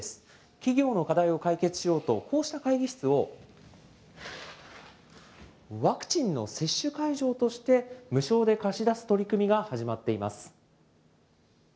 企業の課題を解決しようと、こうした会議室を、ワクチンの接種会場として無償で貸し出す取り組みが始まっています。